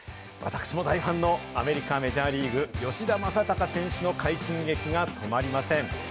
私も大ファンのアメリカ・メジャーリーグ、吉田正尚選手の快進撃が止まりません。